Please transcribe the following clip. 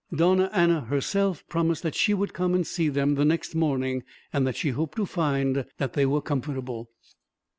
Donna Anna herself promised that she would come and see them the next morning, and that she hoped to find that they were comfortable.